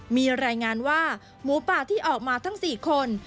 มีรายงานว่าหมูป่าที่ออกมาทั้ง๔คน